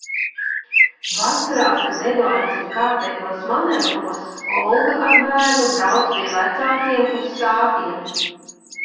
Vasarās, kad Eduards ir kārtējos manevros, Olga ar bērnu brauc pie vecākiem uz Sātiem.